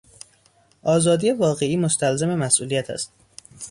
آزادی واقعی مستلزم مسئولیت است.